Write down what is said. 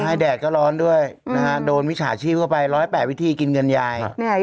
ใช่แดดก็ร้อนด้วยนะฮะโดนวิชาชีพเข้าไป๑๐๘วิธีกินเงินยาย